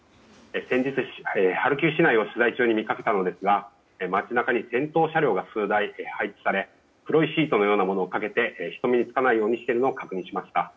先日、ハルキウ市内を取材中に見かけたのですが街中に戦闘車両が数台配置され黒いシートのようなものをかけて人目につかないようにしているのを確認しました。